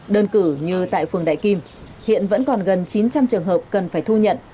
đơn cử như tại phường đại kim hiện vẫn còn gần chín trăm linh trường hợp cần phải thu nhận